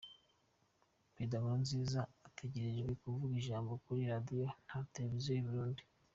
Prezida Nkurunziza ategerejwe kuvuga ijambo kuri radio na television y'i Burundi.